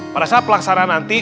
pada saat pelaksanaan nanti